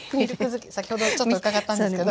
先ほどちょっと伺ったんですけど。